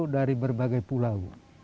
dari berbagai pulau